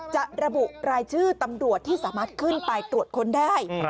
ระบุรายชื่อตำรวจที่สามารถขึ้นไปตรวจค้นได้